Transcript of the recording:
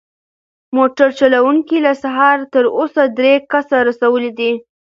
موټر چلونکی له سهاره تر اوسه درې کسه رسولي دي.